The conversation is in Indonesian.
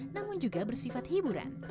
namun juga bersifat hiburan